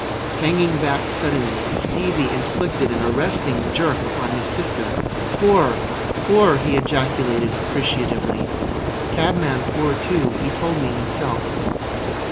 Hanging back suddenly, Stevie inflicted an arresting jerk upon his sister. "Poor! Poor!" he ejaculated appreciatively. "Cabman poor too. He told me himself."